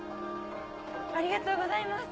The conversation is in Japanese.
ありがとうございます！